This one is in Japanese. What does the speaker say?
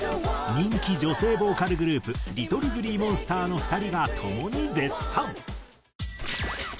人気女性ボーカルグループＬｉｔｔｌｅＧｌｅｅＭｏｎｓｔｅｒの２人が共に絶賛。